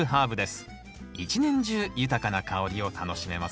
一年中豊かな香りを楽しめますよ